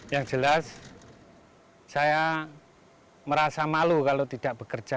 yang jelas saya merasa malu kalau tidak bekerja